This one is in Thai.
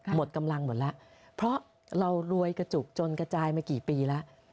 หมดกำลังหมดแล้วเพราะเรารวยกระจุกจนกระจายมากี่ปีแล้ว